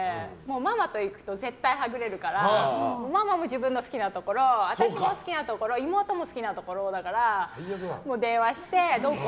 ママと行くと絶対はぐれるからママも自分の好きなところ私も好きなところ妹も好きなところだから電話して、どこ？